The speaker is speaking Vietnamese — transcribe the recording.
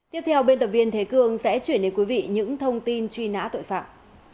tiếp theo bên tập viên thế cương sẽ chuyển đến quý vị những thông tin truy nã tội phạm